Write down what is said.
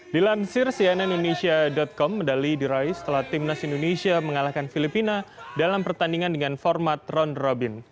dilansir cnn indonesia com medali diraih setelah timnas indonesia mengalahkan filipina dalam pertandingan dengan format ron robin